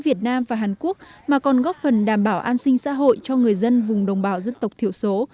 việt nam và hàn quốc mà còn góp phần đảm bảo an sinh xã hội cho người dân vùng đồng bào dân tộc thiểu số